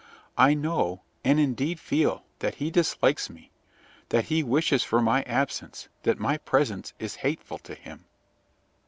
I know, and indeed feel, that he dislikes me, that he wishes for my absence, that my presence is hateful to him."